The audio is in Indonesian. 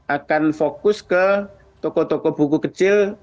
akan fokus ke toko toko buku kecil